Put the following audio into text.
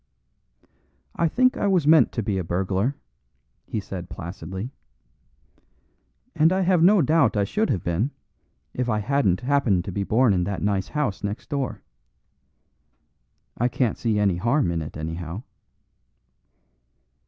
"I think I was meant to be a burglar," he said placidly, "and I have no doubt I should have been if I hadn't happened to be born in that nice house next door. I can't see any harm in it, anyhow."